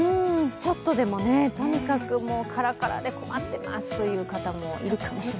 ちょっとでもとにかくカラカラで困ってますって人もいるかもしれません。